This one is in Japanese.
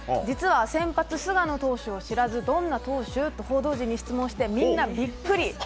実は先発投手と知らずどんな投手と報道陣に質問してみんなビックリ。